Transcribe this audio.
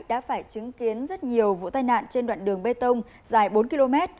đã phải chứng kiến rất nhiều vụ tai nạn trên đoạn đường bê tông dài bốn km